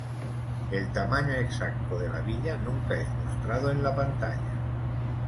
El tamaño exacto de la Villa nunca es mostrado en la pantalla.